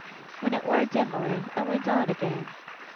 When it warn't Em'ly, I went on agen.